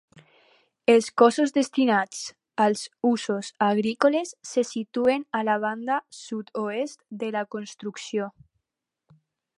Els cossos destinats als usos agrícoles se situen a la banda sud-oest de la construcció.